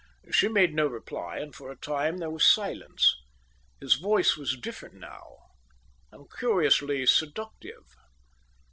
She made no reply, and for a time there was silence. His voice was different now and curiously seductive.